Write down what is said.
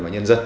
và nhân dân